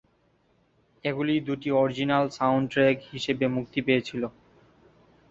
এগুলি দুটি original soundtrack হিসেবে মুক্তি পেয়েছিল।